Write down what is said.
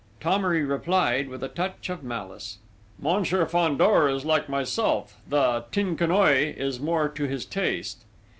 Thomery replied, with a touch of malice: "Monsieur Fandor is like myself the Tonkinoise is more to his taste!"